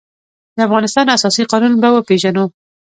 د افغانستان اساسي قانون به وپېژنو.